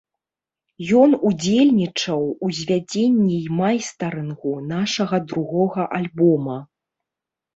Ён удзельнічаў ў звядзенні і майстарынгу нашага другога альбома.